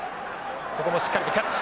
ここもしっかりとキャッチ。